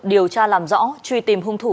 điều tra làm rõ truy tìm hung thủ